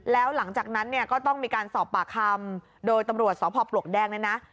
แล้วหลังจากนั้นเนี่ยก็ต้องมีการสอบปากคำโดยตำรวจสพปลวกแดงเนี่ยนะ